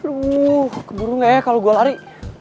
aduh keburu gak ya kalau gue lari